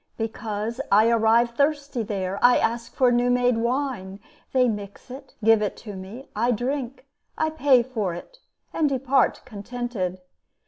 Because, I arrive thirsty there, I ask for new made wine, They mix it, give it to me, I drink, I pay for it, and depart contented.